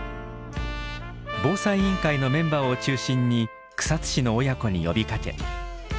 防災委員会のメンバーを中心に草津市の親子に呼びかけ